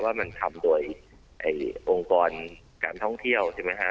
ว่ามันทำโดยองค์กรการท่องเที่ยวใช่ไหมฮะ